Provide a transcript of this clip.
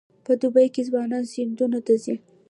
په دوبي کې ځوانان سیندونو ته ځي.